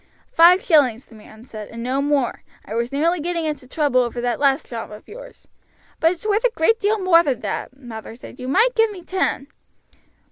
"Five shillings," the man said, "and no more. I was nearly getting into trouble over that last job of yours." "But it's worth a great deal more than that," Mather said. "You might give me ten."